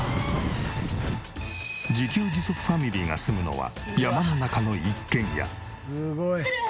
自給自足ファミリーが住むのは山の中の一軒家。